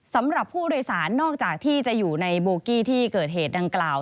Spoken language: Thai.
สำหรับผู้โดยสารนอกจากที่จะอยู่ในโบกี้ที่เกิดเหตุดังกล่าว